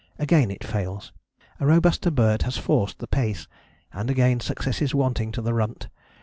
Again it fails, a robuster bird has forced the pace, and again success is wanting to the runt.